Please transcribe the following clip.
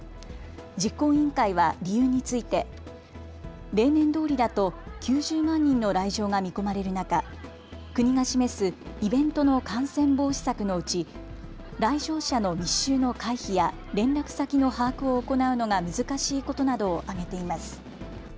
実行委員会は理由について例年どおりだと９０万人の来場が見込まれる中、国が示すイベントの感染防止策のうち、来場者の密集の回避や連絡先の把握を行うのが難しいことなどを挙げています。